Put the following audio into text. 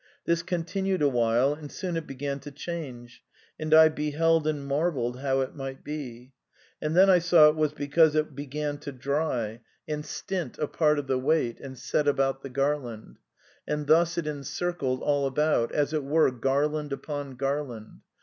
This continued awhile, and soon it began to change, and I beheld and marvelled how it might be. And then I saw it was because it began to dry, and stint a part of THE NEW MYSTICISM 255 the weight, and set about the Garland. And thus it encircled all about* as it were garland upon garland.